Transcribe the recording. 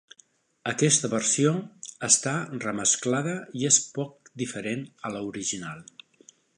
Aquesta versió està remesclada i és un poc diferent a l'original.